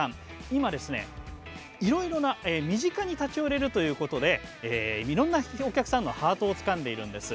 今いろいろな、身近に立ち寄れるということでいろんなお客さんのハートをつかんでいるんです。